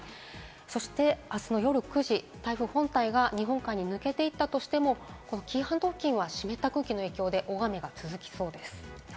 そしてあすの夜９時、台風本体が日本海に抜けていったとしても、紀伊半島付近は湿った空気の影響で大雨が続きそうです。